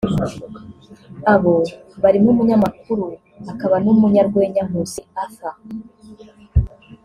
Abo barimo Umunyamakuru akaba n’Umunyarwenya Nkusi Arthur